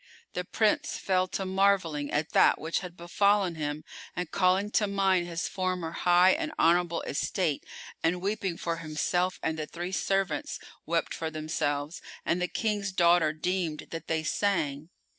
The Prince fell to marvelling at that which had befallen him and calling to mind his former high and honourable estate and weeping for himself; and the three servants wept for themselves; and the King's daughter deemed that they sang.